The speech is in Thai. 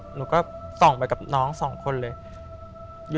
หนูก็ส่องไปกับน้องสองคนเลย